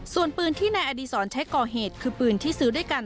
ส่วนปืนที่นายอดีศรใช้ก่อเหตุคือปืนที่ซื้อด้วยกัน